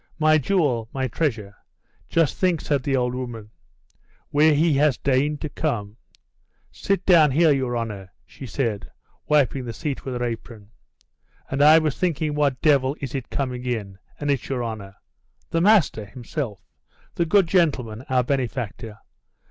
My jewel, my treasure. Just think," said the old woman, "where he has deigned to come. Sit down here, your honour," she said, wiping the seat with her apron. "And I was thinking what devil is it coming in, and it's your honour, 'the master' himself, the good gentleman, our benefactor.